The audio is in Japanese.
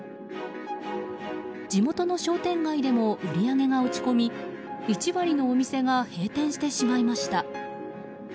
地元の商店街でも売り上げが落ち込み１割のお店が閉店してしまいました。